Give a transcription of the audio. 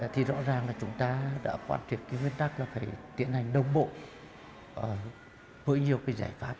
thì rõ ràng là chúng ta đã hoàn thiện nguyên tắc là phải tiện hành đồng bộ với nhiều giải pháp